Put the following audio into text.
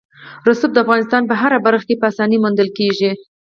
رسوب د افغانستان په هره برخه کې په اسانۍ موندل کېږي.